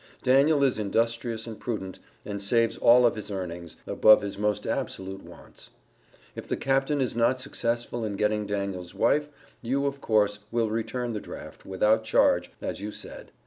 Daniel is industrious and prudent, and saves all of his earnings, above his most absolute wants. If the Captain is not successful in getting Daniel's wife, you, of course, will return the draft, without charge, as you said.